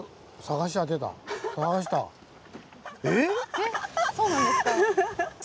えっそうなんですか？